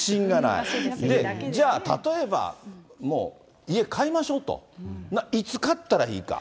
じゃあ例えば、もう家買いましょうと、いつ買ったらいいか。